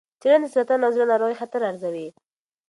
څېړنه د سرطان او زړه ناروغۍ خطر ارزوي.